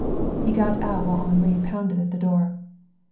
He got out while Henri pounded at the door.